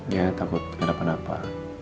ya takut kenapa napa